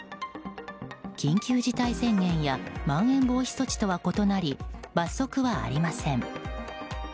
緊急事態宣言やまん延防止措置とは異なり罰則はありません。